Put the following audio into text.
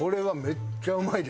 めっちゃうまい！